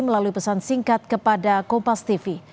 melalui pesan singkat kepada kompas tv